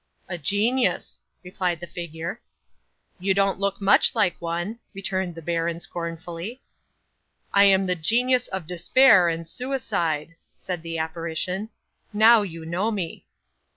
'"A genius," replied the figure. '"You don't look much like one," returned the baron scornfully. '"I am the Genius of Despair and Suicide," said the apparition. "Now you know me."